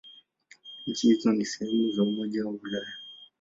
Nchi hizo si sehemu za Umoja wa Ulaya.